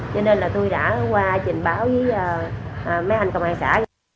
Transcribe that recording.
cho nên là tôi đã qua trình báo với mấy anh công an xã